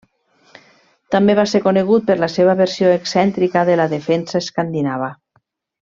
També va ser conegut per la seva versió excèntrica de la defensa escandinava.